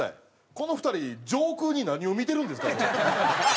この２人上空に何を見てるんですか？